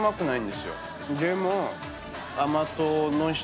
でも。